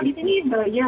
kalau di sini bayar